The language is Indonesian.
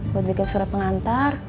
buat bikin surat pengantar